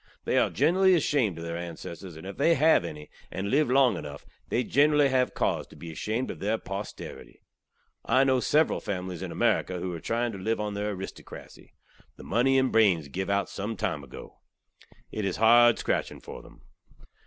They are generally ashamed ov their ansesstors; and, if they hav enny, and live long enuff, they generally hav cauze tew be ashamed ov their posterity. I kno ov sevral familys in Amerika who are trieing tew liv on their aristokrasy. The money and branes giv out sumtime ago. It iz hard skratching for them.